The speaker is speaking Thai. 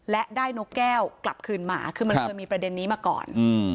และได้นกแก้วกลับคืนมาคือมันเคยมีประเด็นนี้มาก่อน